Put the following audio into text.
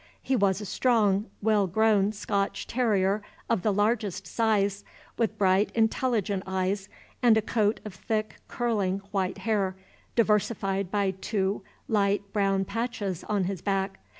He was a strong, well grown Scotch terrier of the largest size, with bright, intelligent eyes, and a coat of thick curling white hair, diversified by two light brown patches on his back.